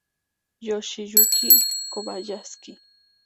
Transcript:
Yoshiyuki Kobayashi